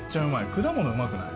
果物うまくない？